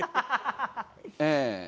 ええ。